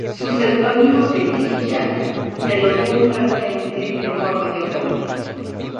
Su seudónimo de "Nicky Jam", se lo dio un transeúnte en forma de broma.